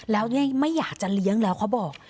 แล้วเนี่ยไม่อยากจะเลี้ยงแล้วเขาบอก